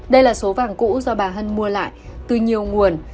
đây là số vàng cũ do bà hân mua lại từ nhiều nguồn